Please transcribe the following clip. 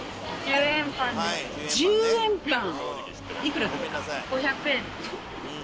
１０円パン。